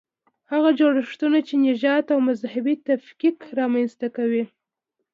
هغه جوړښتونه چې نژادي او مذهبي تفکیک رامنځته کوي.